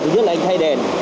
thứ nhất là anh thay đèn